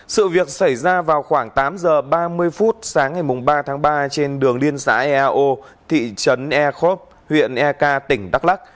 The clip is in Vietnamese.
sự việc xảy ra vào khoảng tám giờ ba mươi phút sáng ngày ba tháng ba trên đường liên xã eao thị trấn e khốp huyện ek tỉnh đắk lắc